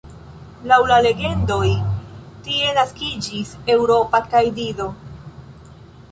Laŭ la legendoj tie naskiĝis Eŭropa kaj Dido.